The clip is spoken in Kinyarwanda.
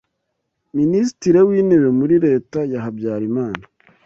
Minisitiri w’Intebe muri Leta ya Habyarimana